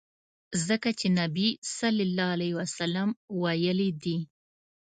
ځکه چي نبي ص ویلي دي.